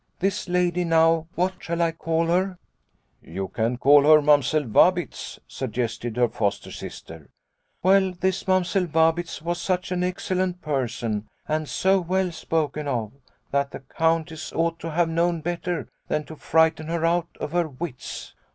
This lady now what shall I call her ?"" You can call her Mamsell Vabitz," sug gested her foster sister. " Well, this Mamsell Vabitz was such an excellent person and so well spoken of, that the Countess ought to have known better than to frighten her out of her wits.